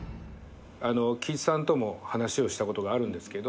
貴一さんとも話をしたことがあるんですけど